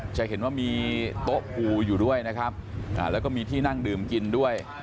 จะเห็นว่ามีโต๊ะปูอยู่ด้วยนะครับแล้วก็มีที่นั่งดื่มกินด้วย